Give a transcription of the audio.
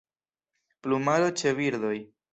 Plumaro ĉe birdoj.